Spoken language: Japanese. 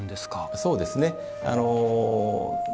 そうですね。